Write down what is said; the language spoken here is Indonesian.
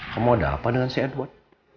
kamu ada apa dengan si edward